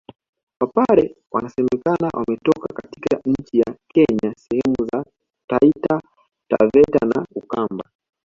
Wapare wanasemekana wametoka katika nchi ya Kenya sehemu za Taita Taveta na Ukamba